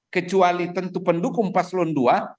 kecuali tentu pendukung paslon dua